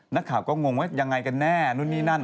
นักข่าวก็งงว่ายังไงกันแน่นู่นนี่นั่น